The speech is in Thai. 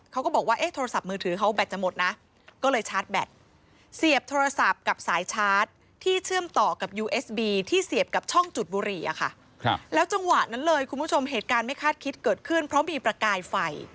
เขาก็บอกว่าเอ๊ะโทรศัพท์มือถือเขาแบตจะหมดนะ